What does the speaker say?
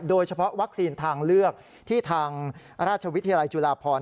โดยเฉพาะวัคซีนทางเลือกที่ทางราชวิทยาลัยจุฬาพร